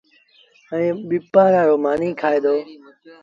ائيٚݩ ٻپآݩرآرو مآݩيٚ کآئي دو